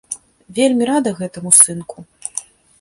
Вельмі рада гэтаму, сынку.